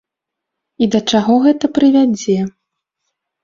І да чаго гэта прывядзе?